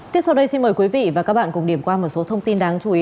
tiếp sau đây xin mời quý vị và các bạn cùng điểm qua một số thông tin đáng chú ý